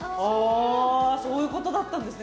そういうことだったんですね。